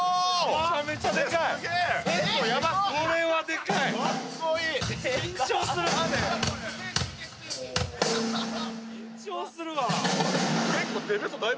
めちゃめちゃデカい。